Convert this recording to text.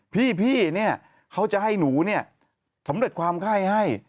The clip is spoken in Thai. พี่เขาจะให้หนูสำเร็จความไข้ให้